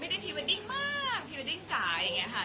ไม่ได้พีเวกตี้งมากพีเวกตี้งจ่ายอย่างเงี่ยค่ะ